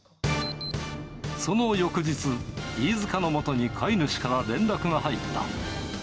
その翌日、飯塚のもとに飼い主から連絡が入った。